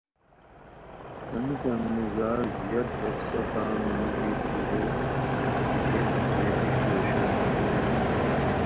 ہمیتان موژار زیاد بکسہ تان موژی ایغو اشتیکھئیکو اوچے دیش لُو اوشونی